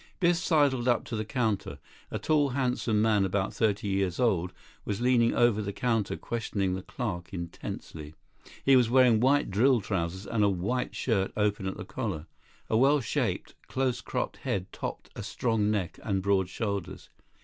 Biff sidled up to the counter. A tall, handsome man, about thirty years old, was leaning over the counter, questioning the clerk intensely. He was wearing white drill trousers and a white shirt open at the collar. A well shaped, close cropped head topped a strong neck and broad shoulders.